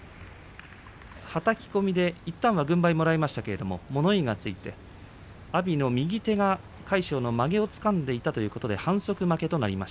はたき込みでいったんは軍配をもらいましたが物言いがつき阿炎の右手が魁勝のまげをつかんでいたということで反則負けとなっています。